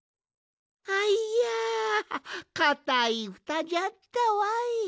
いやかたいふたじゃったわい。